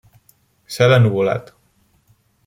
Cel ennuvolat.